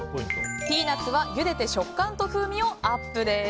ピーナツはゆでて食感と風味をアップ！です。